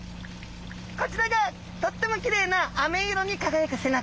こちらがとってもきれいなアメ色にかがやく背中。